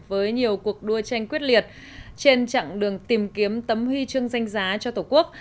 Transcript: với nhiều cuộc đua tranh quyết liệt trên chặng đường tìm kiếm tấm huy chương danh giá cho tổ quốc